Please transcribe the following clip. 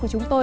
của chúng tôi